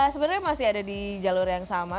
sebenarnya masih ada di jalur yang sama